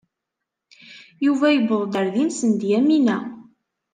Yuba yewweḍ-n ar din send Yamina.